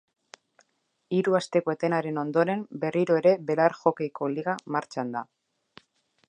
Hiru asteko etenaren ondoren berriro ere belar hockeyko liga martxan da.